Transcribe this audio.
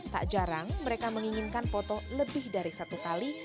tak jarang mereka menginginkan foto lebih dari satu kali